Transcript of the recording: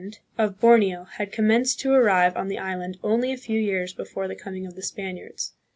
135 of Borneo had commenced to arrive on the island only a few years before the coming of the Spaniards.